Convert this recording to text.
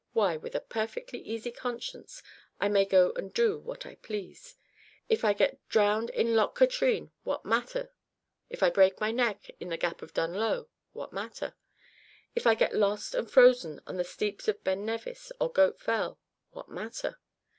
Why, with a perfectly easy conscience, I may go and do what I please. If I get drowned in Loch Katrine what matter? If I break my neck in the Gap of Dunloe what matter? If I get lost and frozen on the steeps of Ben Nevis or Goatfell what matter?